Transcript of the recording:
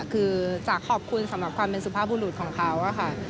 คือจ๋าขอบคุณสำหรับความเป็นสุภาพบุรุษของเขาค่ะ